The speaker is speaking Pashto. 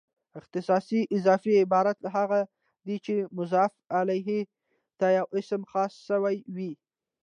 اختصاصي اضافي عبارت هغه دئ، چي مضاف الیه ته یو اسم خاص سوی يي.